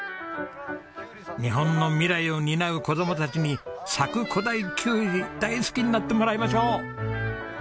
日本の未来を担う子供たちに佐久古太きゅうり大好きになってもらいましょう！